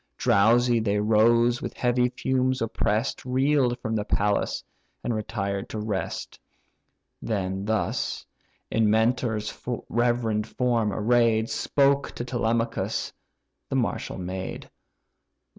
Drowsy they rose, with heavy fumes oppress'd, Reel'd from the palace, and retired to rest. Then thus, in Mentor's reverend form array'd, Spoke to Telemachus the martial maid.